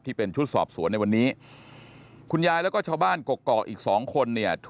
ที่เป็นชุดสอบสวนในวันนี้คุณยายแล้วก็ชาวบ้านกกอกอีกสองคนเนี่ย